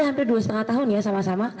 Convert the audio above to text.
hampir dua lima tahun ya sama sama